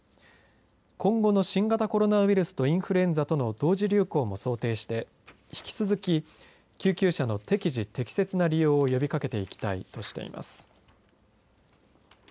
今後の新型コロナウイルスとインフルエンザとの同時流行も想定して引き続き救急車の適時適切な利用を呼びかけていきたいとしています。